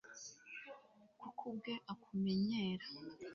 kuko ubwe akumenyera